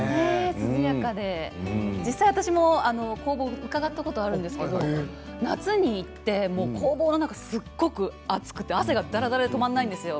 涼やかで、実際、私も工房伺ったことがあるんですけれども夏に行って工房はすごく暑くて汗がダラダラで止まらないんですよ。